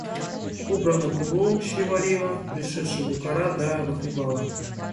Кубра на кубру щи варила, пришедши букара, да выхлебала.